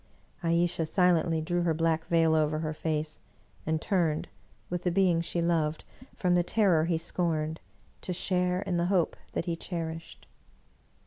Ayesha silently drew her black veil over her face, and turned, with the being she loved, from the terror he scorned, to share in the hope that he cherished.